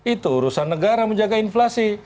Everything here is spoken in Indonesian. itu urusan negara menjaga inflasi